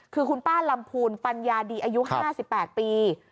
คือคุณป้าลำพูนปัญญาดีอายุ๕๘ปี